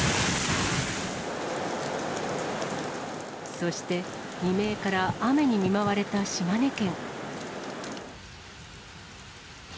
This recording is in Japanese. そして未明から雨に見舞われた島根県。